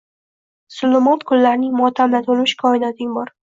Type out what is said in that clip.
Zulumot kunlaring motam-la toʻlmish koinoting bor